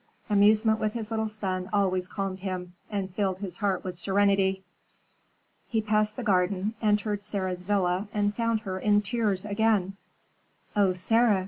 Amusement with his little son always calmed him, and filled his heart with serenity. He passed the garden, entered Sarah's villa, and found her in tears again. "Oh, Sarah!"